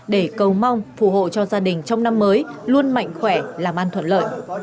để cầu mong phù hộ cho gia đình trong năm mới luôn mạnh khỏe làm ăn thuận lợi